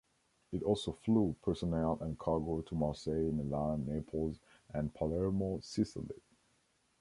It also flew personnel and cargo to Marseille, Milan, Naples and Palermo, Sicily.